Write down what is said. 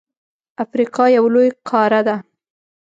افریقا یو لوی قاره ده.